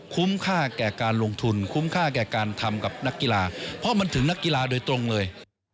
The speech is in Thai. คุ้มค่าแก่การลงทุนคุ้มค่าแก่การทำกับนักกีฬาเพราะมันถึงนักกีฬาโดยตรงเลย